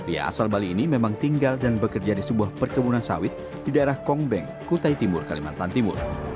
pria asal bali ini memang tinggal dan bekerja di sebuah perkebunan sawit di daerah kongbeng kutai timur kalimantan timur